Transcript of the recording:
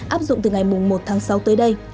áp dụng từ ngày một tháng sáu tới đây